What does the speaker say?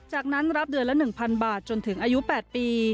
จากนั้นรับเดือนละ๑๐๐บาทจนถึงอายุ๘ปี